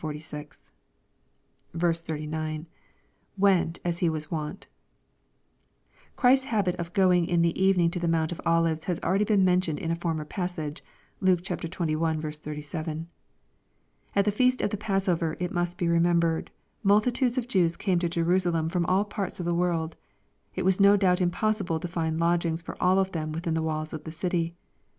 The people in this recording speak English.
39—46. /39. — [Went, as he was wont] Christ's habit of going in the evening ' to the Mount of Olives has been akeady mentioned in a former passage. (Luke xxi. 37.) At the feast of the passover, it must be remembered, multitudes of Jews came to Jerusalem from all parts of the world. It was no doubt impossible to find lodgings for all of them within the walls of the city.